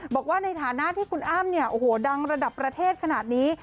บอกว่าในฐานะที่คุณอ้ามดังระดับประเทศขนาดนี้